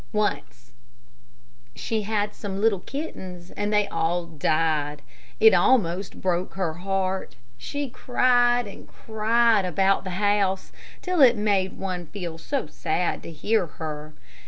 Once she had some little kittens and they all died. It almost broke her heart. She cried and cried about the house till it made one feel sad to hear her.